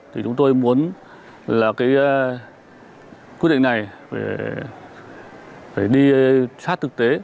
thì chúng tôi muốn là cái quyết định này phải đi sát thực tế